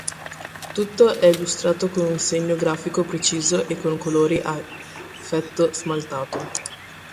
Tutto è illustrato con un segno grafico preciso e con colori a effetto "smaltato".